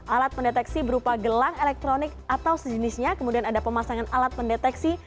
alat pendeteksi berupa gelang elektronik atau sejenisnya kemudian ada pemasangan alat pendeteksi